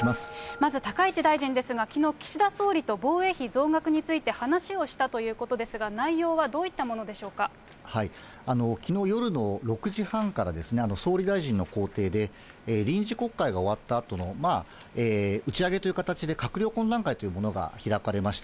まず、高市大臣ですが、きのう、岸田総理と防衛費増額について話をしたということですが、内容はきのう夜の６時半から、総理大臣の公邸で臨時国会が終わったあとの打ち上げという形で閣僚懇談会というものが開かれました。